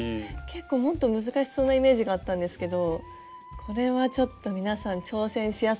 結構もっと難しそうなイメージがあったんですけどこれはちょっと皆さん挑戦しやすいかもしれない。